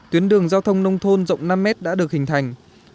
tuyến đường giao thông nông thôn rộng năm mét đã được hình thành